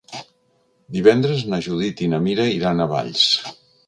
Divendres na Judit i na Mira iran a Valls.